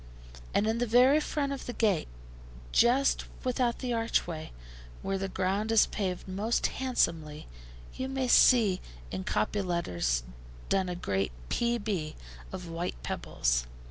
And in the very front of the gate, just without the archway, where the ground is paved most handsomely, you may see in copy letters done a great P.B. of white pebbles.